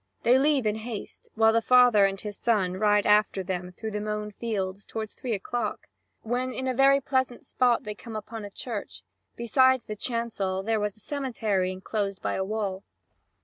They leave in haste, while the father and his son ride after them through the mown fields until toward three o'clock, when in a very pleasant spot they come upon a church; beside the chancel there was a cemetery enclosed by a wall.